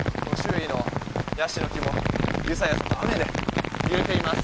ヤシの木もゆさゆさと雨で揺れています。